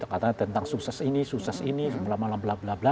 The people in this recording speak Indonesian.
katanya tentang sukses ini sukses ini blablabla